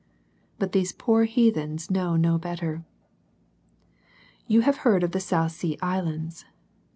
But these poor heathens know no better. You have heard of the South Sea Islands.